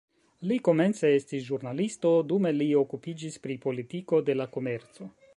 Li komence estis ĵurnalisto, dume li okupiĝis pri politiko de la komerco.